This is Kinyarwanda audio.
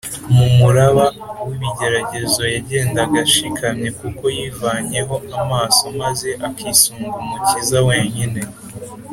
mu muraba w’ibigeragezo yagendaga ashikamye kuko yivanyeho amaso maze akisunga umikiza wenyine